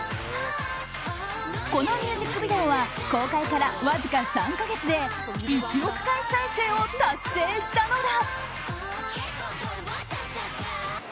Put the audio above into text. このミュージックビデオは公開からわずか３か月で１億回再生を達成したのだ。